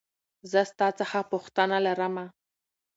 زه ستا څخه پوښتنه لرمه .